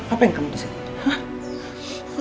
apa yang kamu disini